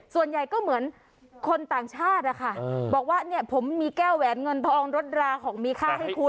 ส่วนใหญ่ก็เหมือนคนต่างชาตินะคะบอกว่าเนี่ยผมมีแก้วแหวนเงินทองรถราของมีค่าให้คุณ